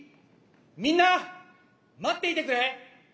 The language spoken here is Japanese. みんな待っていてくれ！